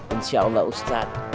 insya allah ustadz